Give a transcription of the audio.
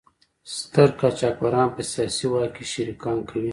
ستر قاچاقبران په سیاسي واک کې شریکان کوي.